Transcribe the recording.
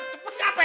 cepet gak pe